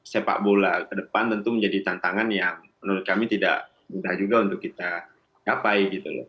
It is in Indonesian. sepak bola ke depan tentu menjadi tantangan yang menurut kami tidak mudah juga untuk kita gapai gitu loh